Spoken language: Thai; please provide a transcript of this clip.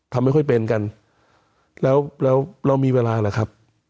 ทำไม่ค่อยเป็นกันแล้วแล้วเรามีเวลาหรือครับ